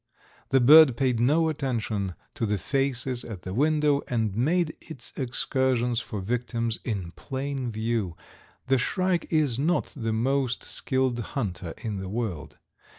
The bird paid no attention to the faces at the window, and made its excursions for victims in plain view. The shrike is not the most skilled hunter in the world.